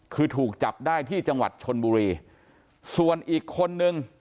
คือถูกจับได้ที่จังหวัดชนบุรีส่วนอีกคนนึง